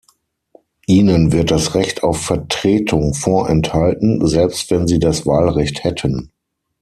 Ihnen wird das Recht auf Vertretung vorenthalten, selbst wenn sie das Wahlrecht hätten.